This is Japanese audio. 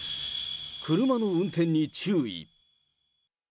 車の運転に注意。